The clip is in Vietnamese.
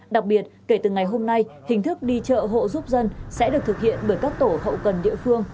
đặc biệt kể từ ngày hôm nay hình thức đi chợ hộ giúp dân sẽ được thực hiện bởi các tổ hậu cần địa phương